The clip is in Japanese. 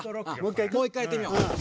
もう１かいやってみよう。